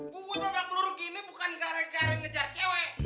gue coba peluru gini bukan gara gara ngejar cewe